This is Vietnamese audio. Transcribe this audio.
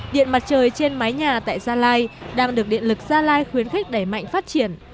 điện mặt trời trên mái nhà tại gia lai đang được điện lực gia lai khuyến khích đẩy mạnh phát triển